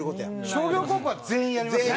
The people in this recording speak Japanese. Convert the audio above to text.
商業高校は全員やりますよね。